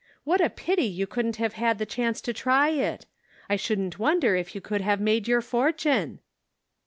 What a pity you couldn't have had the chance to try it. I shouldn't wonder if you could have made your fortune."